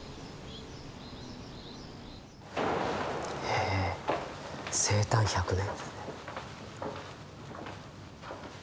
へえ生誕１００年。